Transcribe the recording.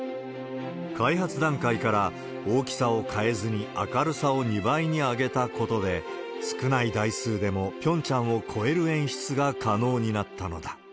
開発段階から大きさを変えずに明るさを２倍に上げたことで、少ない台数でもピョンチャンを超える演出が可能になったのだ。